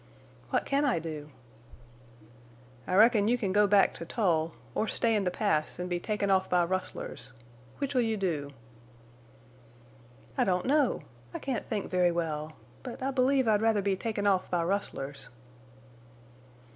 "What can I do?" "I reckon you can go back to Tull. Or stay in the Pass an' be taken off by rustlers. Which'll you do?" "I don't know. I can't think very well. But I believe I'd rather be taken off by rustlers."